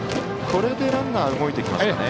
これでランナー動いてきますかね。